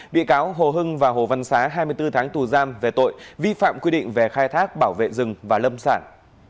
bị cáo hồ hưng và hồ văn xá hai mươi bốn tháng tù giam về tội vi phạm quy định về khai thác bảo vệ rừng và lâm sản